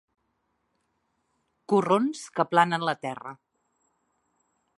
Corrons que aplanen la terra.